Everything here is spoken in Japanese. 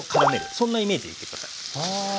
そんなイメージでいって下さい。